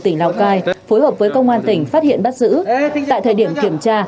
tỉnh lào cai phối hợp với công an tỉnh phát hiện bắt giữ tại thời điểm kiểm tra